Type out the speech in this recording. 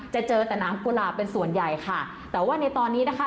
จะเจอแต่น้ำกุหลาบเป็นส่วนใหญ่ค่ะแต่ว่าในตอนนี้นะคะ